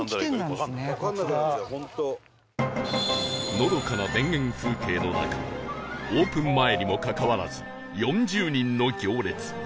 のどかな田園風景の中オープン前にもかかわらず４０人の行列